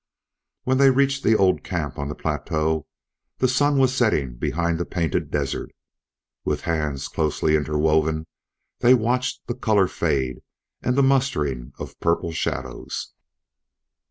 When they reached the old camp on the plateau the sun was setting behind the Painted Desert. With hands closely interwoven they watched the color fade and the mustering of purple shadows.